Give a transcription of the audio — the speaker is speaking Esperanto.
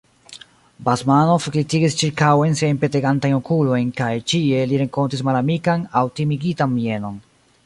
Basmanov glitigis ĉirkaŭen siajn petegantajn okulojn kaj ĉie li renkontis malamikan aŭ timigitan mienon.